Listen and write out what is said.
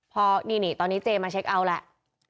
พอนี่ตอนนี้เจมาเช็คเอาแหละ